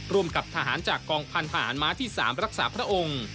ร่วมกับทหารจากกองพันธหารม้าที่๓รักษาพระองค์